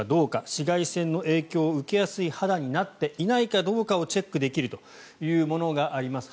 紫外線の影響を受けやすい肌になっていないかどうかをチェックできるというものがあります。